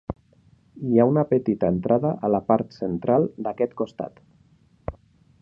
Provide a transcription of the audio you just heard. Hi ha una petita entrada en la part central d'aquest costat.